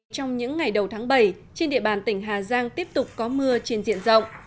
trong những ngày đầu tháng bảy trên địa bàn tỉnh hà giang tiếp tục có mưa trên diện rộng